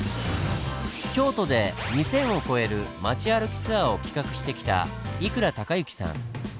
京都で２，０００を超える町歩きツアーを企画してきた以倉敬之さん。